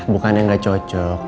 bukannya gak cocok